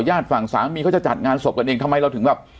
ฝั่งสามีเขาจะจัดงานศพกันเองทำไมเราถึงแบบ